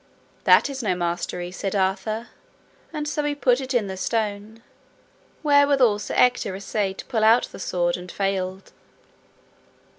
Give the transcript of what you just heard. That is no mastery, said Arthur, and so he put it in the stone; wherewithal Sir Ector assayed to pull out the sword and failed.